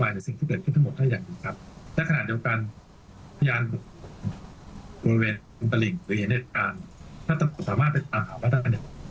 และขณะเดียวกันพยานบริเวณอันตรีหรืออินเนตรการถ้าจะสามารถไปตามหาว่าได้เนี่ย